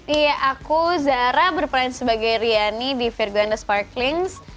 iya aku zara berperan sebagai riani di fear go and the sparklings